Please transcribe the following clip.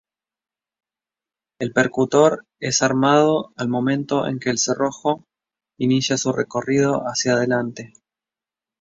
El percutor es armado al momento que el cerrojo inicia su recorrido hacia adelante.